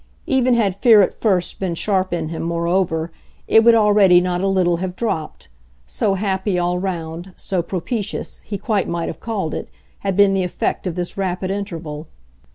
Even had fear at first been sharp in him, moreover, it would already, not a little, have dropped; so happy, all round, so propitious, he quite might have called it, had been the effect of this rapid interval.